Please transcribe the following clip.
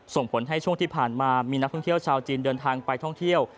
ส่งผลให้ช่วงที่ผ่านมามีนักท่องเที่ยวชาวจีนเดินทางไปท่องเที่ยว